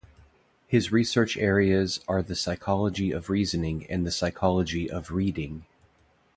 His research areas are the psychology of reasoning and the psychology of reading.